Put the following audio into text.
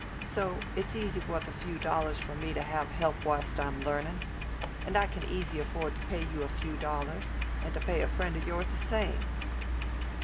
So it's easy wuth a few dollars for me to have help whilst I'm learnin'. I can easy afford to pay you a few dollars, and to pay a friend of yours the same."